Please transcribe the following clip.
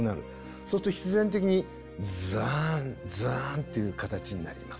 そうすると必然的に「ザーンザーン」っていう形になります。